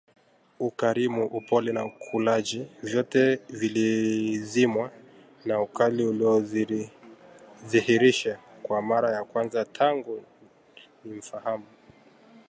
Ukarimu, upole na kujali vyote vilizimwa na ukali alioudhihirisha kwa mara ya kwanza tangu nimfahamu